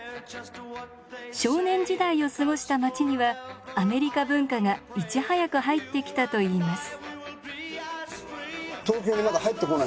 少年時代を過ごした街にはアメリカ文化がいち早く入ってきたといいます。